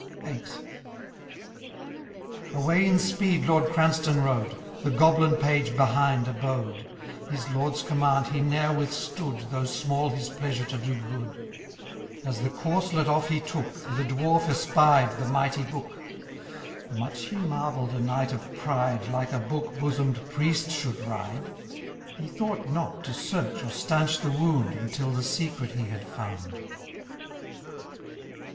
VIII. Away in speed Lord Cranstoun rode ; The Goblin Page behind abode ; His lord^s command he ne^er withstood. Though small hia pleasure to do good. As the corslet off he took. The Dwarf espied the Mighty Book ! Much he marvell'd a knight of pride. Like a book bosom^d priest should ride } He thought not to search or stanch the wound. Until the secret he had found.